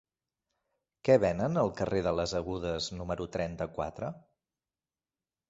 Què venen al carrer de les Agudes número trenta-quatre?